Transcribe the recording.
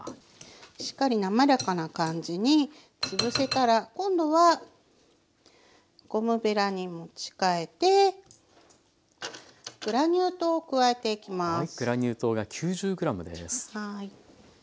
しっかり滑らかな感じにつぶせたら今度はゴムべらに持ち替えてグラニュー糖加えていきます。